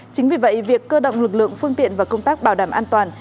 chính vì vậy việc cơ động lực lượng phương tiện và công tác bảo đảm an toàn